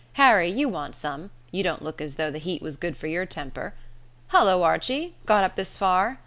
Harry, you want some; you don't look as though the heat was good for your temper. Hullo, Archie! Got up this far.